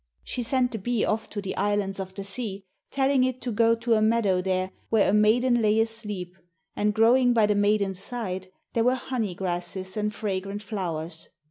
She sent the bee off to the Islands of the Sea, telling it to go to a meadow there, where a maiden lay asleep, and growing by the maiden's side there were honey grasses and fragrant flowers.